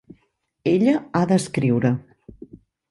Ella ha d'escriure.